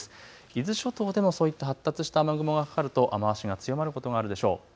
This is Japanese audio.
伊豆諸島でもそういった発達した雨雲がかかると雨足が強まることがあるでしょう。